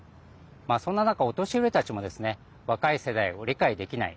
そんな中、お年寄りたちも若い世代を理解できない。